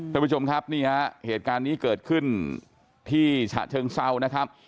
คนประชุมครับนี่ฮะมีการเกิดขึ้นที่ฉะเชิงเศร้านะครับ